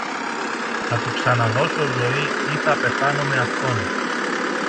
θα του ξαναδώσω ζωή ή θα πεθάνω με αυτόν.